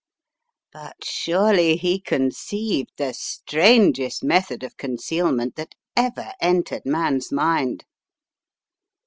But surely he conceived the strangest method of con cealment that ever entered man's mind."